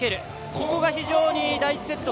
ここが非常に第１セット